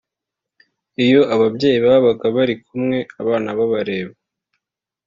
iyo ababyeyi babaga bari kumwe abana babareba